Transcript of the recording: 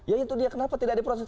ya itu dia kenapa tidak diproses